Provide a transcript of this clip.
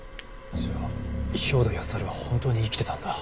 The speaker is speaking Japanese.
じゃあ兵働耕春は本当に生きてたんだ。